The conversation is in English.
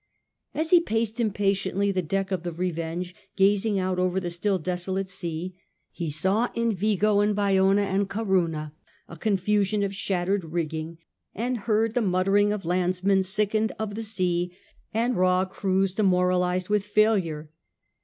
As he paced impatiently the deck of the Revenge, gazing out over the still desolate sea, he saw in Yigo, and Bayona, and Corunna a confusion of shattered rigging, and heard the muttering of landsmen sickened of the sea and raw crews demoralised with failure.